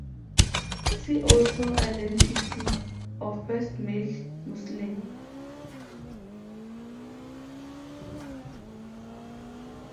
See also identity of first male Muslim.